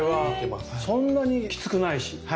そんなにきつくないし。